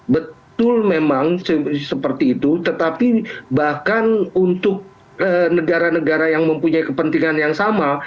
betul memang seperti itu tetapi bahkan untuk negara negara yang mempunyai kepentingan yang sama